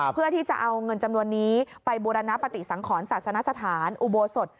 เพื่อที่จะเอาเงินจำนวนนี้ไปบูรณปฏิสังขรศาสนสถานอุโบสถ